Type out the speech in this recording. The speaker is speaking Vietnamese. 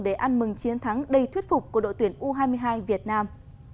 để ăn mừng chiến thắng đầy thuyết phục của đội tuyển u hai mươi hai việt nam